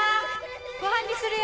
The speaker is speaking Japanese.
ごはんにするよ！